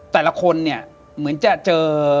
แต่ละคนเหมือนจะเจอ